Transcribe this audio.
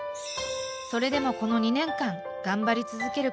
それでもこの２年間頑張り続けることができた理由